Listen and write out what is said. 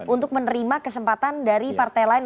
untuk menerima kesempatan dari partai lain